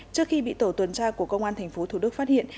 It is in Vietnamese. trước khi bị tổ tuần tra của công an tp hcm phát hiện